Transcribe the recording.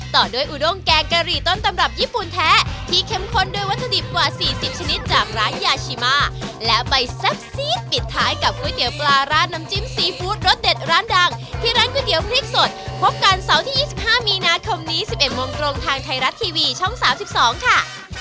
ต่อด้วยอุดงแกงกะหรี่ต้นตำรับญี่ปุ่นแท้ที่เข้มข้นด้วยวัตถุดิบกว่า๔๐ชนิดจากร้านยาชิมาและใบแซ่บซีดปิดท้ายกับก๋วยเตี๋ยวปลาราดน้ำจิ้มซีฟู้ดรสเด็ดร้านดังที่ร้านก๋วยเตี๋ยวพริกสดพบกันเสาร์ที่๒๕มีนาคมนี้๑๑โมงตรงทางไทยรัฐทีวีช่อง๓๒ค่ะ